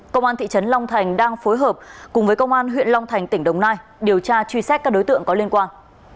công an thị trấn long thành đang phối hợp cùng với công an huyện long thành tỉnh đồng nai điều tra truy xét các đối tượng có liên quan